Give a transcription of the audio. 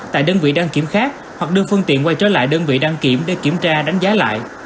tại đơn vị đăng kiểm khác hoặc đưa phương tiện quay trở lại đơn vị đăng kiểm để kiểm tra đánh giá lại